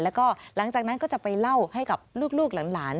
แล้วก็หลังจากนั้นก็จะไปเล่าให้กับลูกหลาน